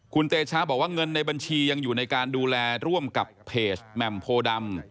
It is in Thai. คุณเตชะบอกว่าเงินในบัญชียังอยู่ในการดูแลร่วมกับเพจแหม่มโพดำ